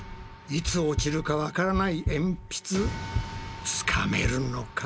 いつ落ちるかわからないえんぴつつかめるのか？